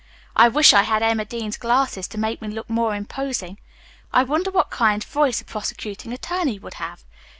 I wish I had Emma Dean's glasses to make me look more imposing. I wonder what kind of voice a prosecuting attorney would have.